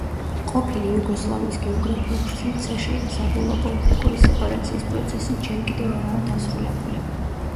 ყოფილი იუგოსლავიის გეოგრაფიულ სივრცეში საბოლოო პოლიტიკური სეპარაციის პროცესი ჯერ კიდევ არაა დასრულებული.